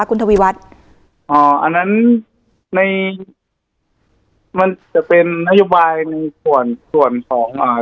คุณทวีวัฒน์อ่าอันนั้นในมันจะเป็นนโยบายในส่วนส่วนของอ่า